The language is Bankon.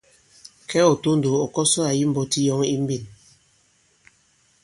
Kɛ̌ ɔ̀ tondow, ɔ̀ kɔsɔ àyi mbɔti yɔŋ yi mbîn.